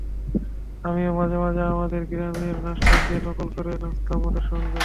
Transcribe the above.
আমিও মাঝে মাঝে আমাদের গ্রামের নাচটাকে নকল করে নাচতাম ওদের সঙ্গে।